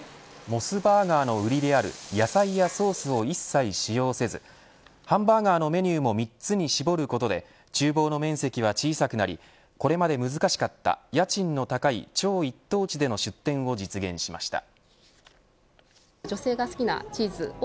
モスバーガーの売りである野菜やソースを一切使用せずハンバーガーのメニューも３つに絞ることで厨房の面積は小さくなりこれまで難しかった家賃の高い超一等地での出店を実現しました。